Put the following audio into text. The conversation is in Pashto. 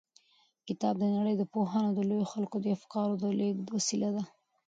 کتاب د نړۍ د پوهانو او لويو خلکو د افکارو د لېږد وسیله ده.